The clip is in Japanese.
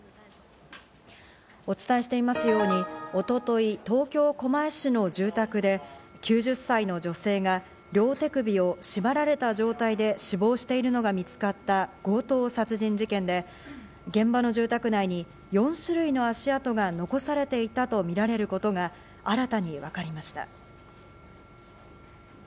お伝えしていますように、一昨日、東京・狛江市の住宅で９０歳の女性が両手首を縛られた状態で死亡しているのが見つかった強盗殺人事件で、現場の住宅内に４種類の足跡が残されていたとみられることが新たに分かりました。